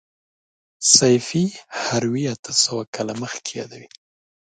سیفي هروي اته سوه کاله مخکې یادوي.